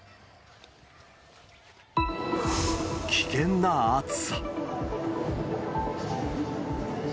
危険な暑さ。